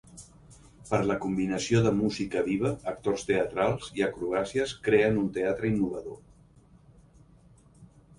Per la combinació de música viva, actors teatrals i acrobàcies creen un teatre innovador.